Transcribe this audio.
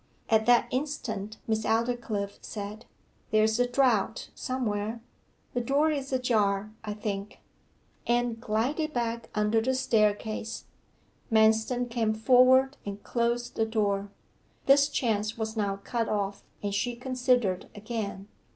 At that instant Miss Aldclyffe said 'There's a draught somewhere. The door is ajar, I think.' Anne glided back under the staircase. Manston came forward and closed the door. This chance was now cut off, and she considered again.